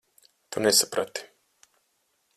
Tu nesaprati.